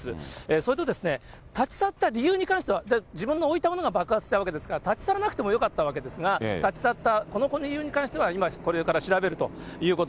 それと、立ち去った理由に関しては、自分の置いたものが爆発したわけですから、立ち去らなくてもよかったわけですが、立ち去ったこの理由に関しては、今、これから調べるということ。